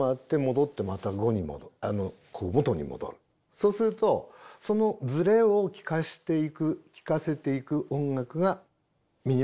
そうするとそのズレを聴かせていく聴かせていく音楽がミニマル・ミュージックです。